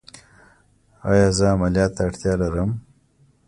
ایا زه عملیات ته اړتیا لرم؟